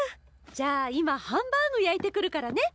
じゃあ今ハンバーグ焼いてくるからね。